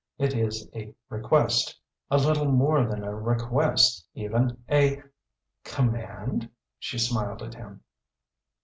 It is a request. A little more than a request, even; a " "Command?" she smiled at him.